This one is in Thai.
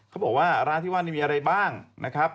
เขาบอกว่าร้านที่ว่านี่มีอะไรบ้างนะครับ